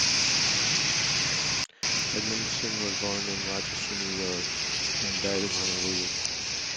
Edmundson was born in Rochester, New York, and died in Honolulu.